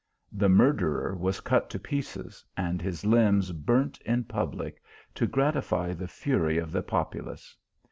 The murderer was cut to pieces, and his limbs burnt in public, to gratify the fury of the populace.